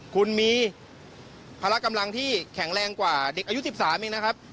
คุณมีพละกำลังที่แข็งแรงกว่าเด็กอายุ๑๓เองนะครับ